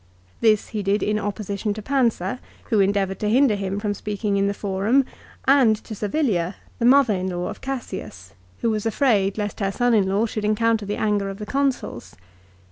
This he did in opposition to Pansa who endeavoured to hinder him from speaking in the Forum, and to Servilia, the mother in law of Cassius, who was afraid lest her son in law should encounter the anger of the Consuls.